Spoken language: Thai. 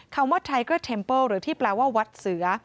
คำว่าไทเกอร์เทมเปิ้ลหรือที่แปลว่าวัดเสือ